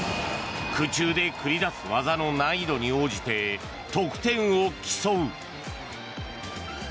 空中で繰り出す技の難易度に応じて得点を競う。